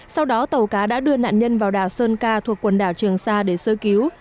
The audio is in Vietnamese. sau đó tàu cá đã đưa nạn nhân vào đảo sơn ca thuộc quần đảo trường sa để sơ cứu